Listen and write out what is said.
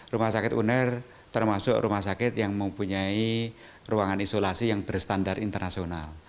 rumah sakit uner termasuk rumah sakit yang mempunyai ruangan isolasi yang berstandar internasional